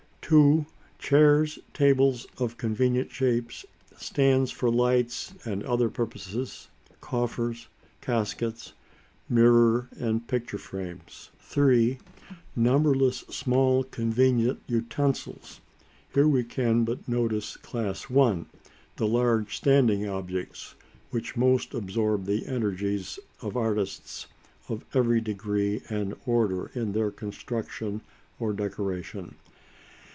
2. Chairs, tables of convenient shapes, stands for lights and other purposes, coffers, caskets, mirror and picture frames. 3. Numberless small convenient utensils. Here we can but notice class 1, the large standing objects which most absorb the energies of artists of every degree and order in their construction or decoration.